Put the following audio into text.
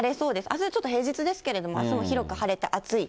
あす、ちょっと平日ですけれども、あすも広く晴れて、暑い。